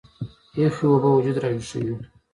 يخې اوبۀ وجود راوېخوي